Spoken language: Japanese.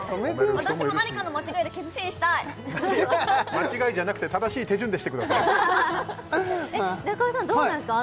私も何かの間違いでキスシーンしたい間違いじゃなくて正しい手順でしてくださいえっ中尾さんどうなんですか？